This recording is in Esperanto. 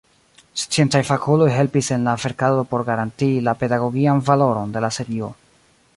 Sciencaj fakuloj helpis en la verkado por garantii la pedagogian valoron de la serio.